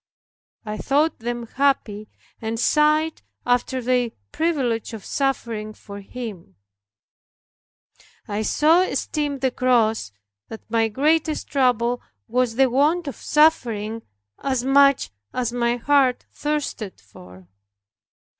I thought them happy, and sighed after their privilege of suffering for Him, I so esteemed the cross that my greatest trouble was the want of suffering as much as my heart thirsted for.